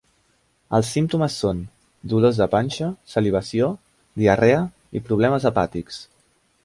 Els símptomes són: dolors de panxa, salivació, diarrea i problemes hepàtics.